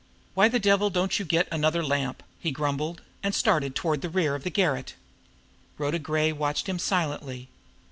"Why the devil don't you get another lamp?" he grumbled and started toward the rear of the garret. Rhoda Gray watched him silently.